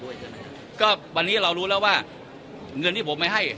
ใช่ไหมก็วันนี้เรารู้แล้วว่าเงินที่ผมไม่ให้